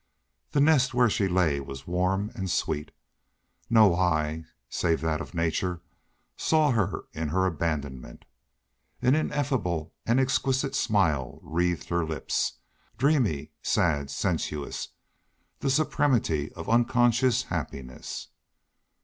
The nest where she lay was warm and sweet. No eye save that of nature saw her in her abandonment. An ineffable and exquisite smile wreathed her lips, dreamy, sad, sensuous, the supremity of unconscious happiness.